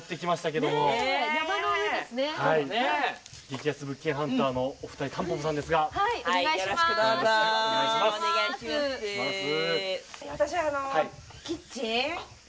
激安物件ハンターのお二人よろしくお願いします！